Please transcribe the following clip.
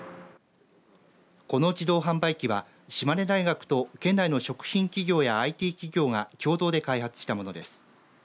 この自動販売機は島根大学と県内の食品企業やＩＴ企業が共同で開発したものです。